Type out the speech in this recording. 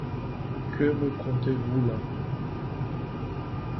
Que me contez-vous là?